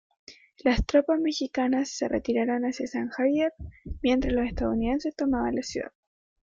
Las tropas mexicanas se retiraron hacia San Xavier mientras los estadounidenses tomaban la ciudad.